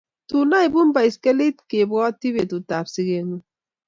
Tun aibun baiskelet kebwati betut ab siket ngung